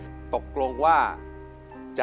ถ้าพร้อมอินโทรเพลงที่สี่มาเลยครับ